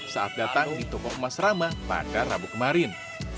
saat datang di toko emas rama pada rabu kemarin